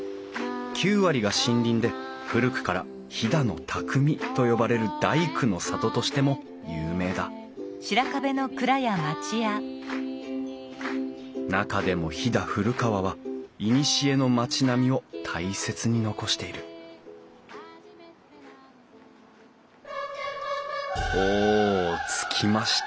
９割が森林で古くから飛騨の匠と呼ばれる大工の里としても有名だ中でも飛騨古川はいにしえの町並みを大切に残しているお着きました